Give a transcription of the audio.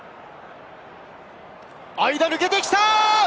間を抜けてきた！